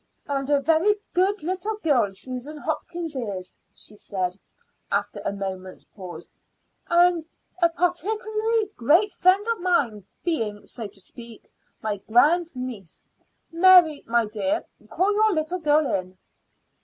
"And a very good little girl Susan Hopkins is," she said, after a moment's pause; "and a particularly great friend of mine, being, so to speak, my grand niece. Mary, my dear, call your little girl in."